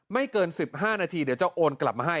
เกิน๑๕นาทีเดี๋ยวจะโอนกลับมาให้